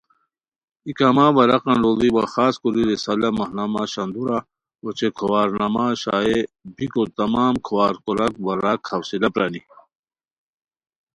ای کما ورقان لوڑی وا خاص کوری رسالہ ماہنامہ شندورا اوچے کھوار نامہ شائع بیکو تمام کھوار کوراک وا راک حوصلہ پرانی